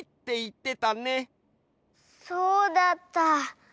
そうだった。